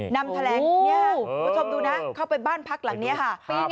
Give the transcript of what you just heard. นำแถลงคุณผู้ชมดูนะเข้าไปบ้านพักหลังนี้ค่ะ